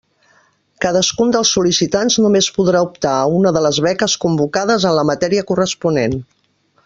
Cadascun dels sol·licitants només podrà optar a una de les beques convocades en la matèria corresponent.